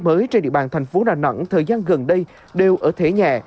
mới trên địa bàn thành phố đà nẵng thời gian gần đây đều ở thể nhẹ